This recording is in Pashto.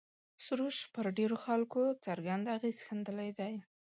سروش پر ډېرو خلکو څرګند اغېز ښندلی دی.